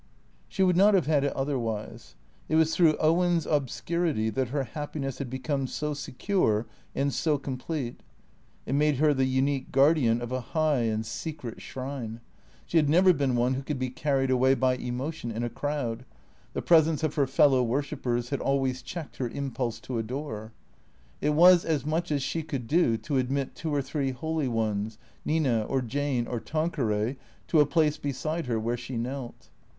She would not have had it otherwise. It was through Owen's obscurity that her happiness had become so secure and so com plete. It made her the unique guardian of a high and secret 422 THE CEEA TORS 423 shrine. She had never been one who could be carried away by emotion in a crowd. The presence of her fellow worshippers had always checked her impulse to adore. It was as much as she could do to admit two or three holy ones, Nina or Jane or Tanqveray, to a place beside her where she knelt.